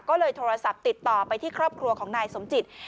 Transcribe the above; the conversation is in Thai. ก็เลยโทรศัพท์ติดต่อไปที่ครอบครัวของนายสมจิต